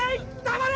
黙れ！